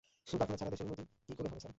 কারখানা ছাড়া দেশের উন্নতি কী করে হবে, স্যার?